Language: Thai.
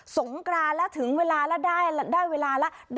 สงกรานแล้วถึงเวลาแล้วได้เวลาแล้ว